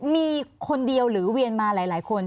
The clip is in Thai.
มีคนเดียวหรือเวียนมาหลายคน